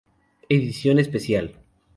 Edición Especial".